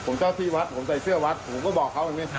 ผมเจ้าที่วัดผมใส่เสื้อวัดผมก็บอกเขาอย่างนี้ครับ